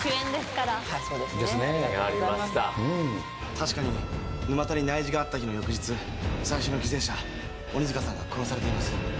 「確かに沼田に内示があった日の翌日最初の犠牲者鬼塚さんが殺されています」